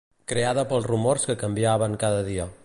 Creada pels rumors que canviaven cada dia